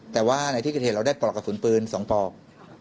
แต่ว่าในที่เกิดเหตุเราได้ปลอกกระสุนปืน๒ปลอก